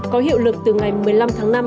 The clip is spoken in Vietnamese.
có hiệu lực từ ngày một mươi năm tháng năm